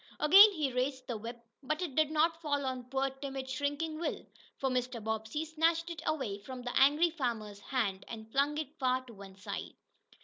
Again he raised the whip, but it did not fall on poor, timid, shrinking Will. For Mr. Bobbsey snatched it away from the angry farmer's hand and flung it far to one side.